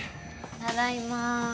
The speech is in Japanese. ただいま